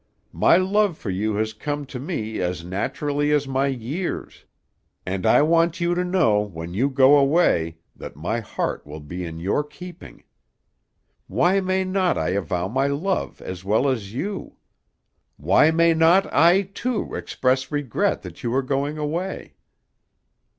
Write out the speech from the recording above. My love for you has come to me as naturally as my years, and I want you to know when you go away that my heart will be in your keeping. Why may not I avow my love as well as you? Why may not I, too, express regret that you are going away?"